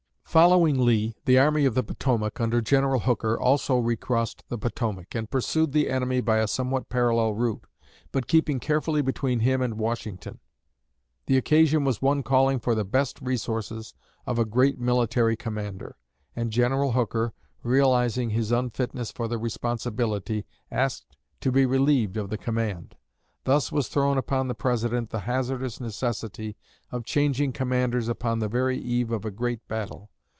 Following Lee, the Army of the Potomac, under General Hooker, also recrossed the Potomac, and pursued the enemy by a somewhat parallel route, but keeping carefully between him and Washington. The occasion was one calling for the best resources of a great military commander; and General Hooker, realizing his unfitness for the responsibility, asked to be relieved of the command. Thus was thrown upon the President the hazardous necessity of changing commanders upon the very eve of a great battle.